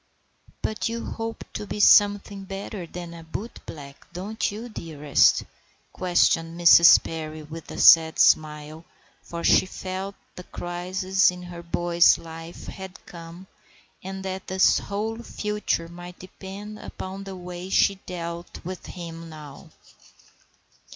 "But you hope to be something better than a bootblack, don't you, dearest?" questioned Mrs. Perry, with a sad smile, for she felt that the crisis in her boy's life had come, and that his whole future might depend upon the way she dealt with him now.